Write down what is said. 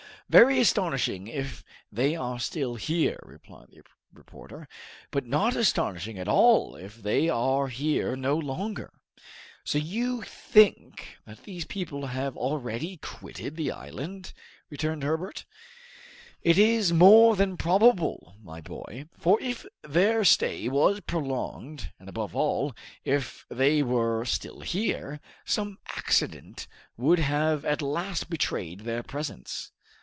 "Very astonishing if they are still here," replied the reporter, "but not astonishing at all if they are here no longer!" "So you think that these people have already quitted the island?" returned Herbert. "It is more than probable, my boy; for if their stay was prolonged, and above all, if they were still here, some accident would have at last betrayed their presence."